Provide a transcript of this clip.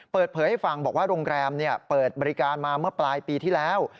เปิดเผยให้ฟังบอกว่าโรงแรมเปิดบริการมาเมื่อปลายปีที่แล้ว